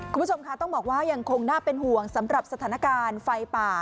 คุณผู้ชมค่ะต้องบอกว่ายังคงน่าเป็นห่วงสำหรับสถานการณ์ไฟป่า